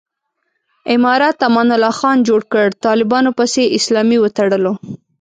امارت امان الله خان جوړ کړ، طالبانو پسې اسلامي وتړلو.